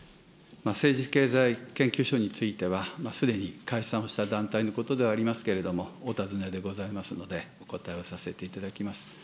政治経済研究所については、すでに解散した団体のことではありますけれども、お尋ねでございますので、お答えをさせていただきます。